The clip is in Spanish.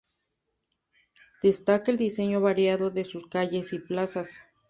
Destaca el diseño variado de sus calles y plazas.